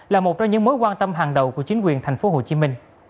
là một trong những mối quan tâm hàng đầu của chính quyền tp hcm